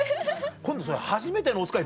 今度それ『はじめてのおつかい』